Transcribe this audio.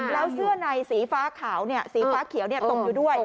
แล้วเสื้อในสีฟ้าขาวสีฟ้าเขียวตกอยู่ด้วย